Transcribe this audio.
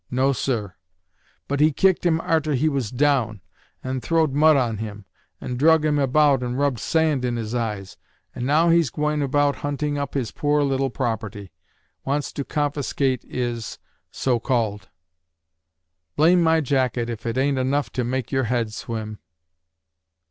No, sur! But he kicked him arter he was down, and throwed mud on him, and drug him about and rubbed sand in his eyes, and now he's gwine about hunting up his poor little property. Wants to confiscate is, SO CALLED. Blame my jacket if it ain't enuff to make your head swim.